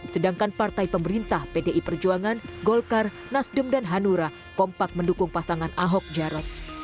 sedangkan partai pemerintah pdi perjuangan golkar nasdem dan hanura kompak mendukung pasangan ahok jarot